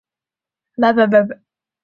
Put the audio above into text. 长蝠硬蜱为硬蜱科硬蜱属下的一个种。